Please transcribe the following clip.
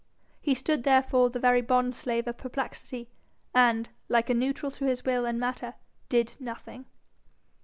He stood therefore the very bond slave of perplexity, 'and, like a neutral to his will and matter, did nothing.'